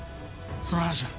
その話は。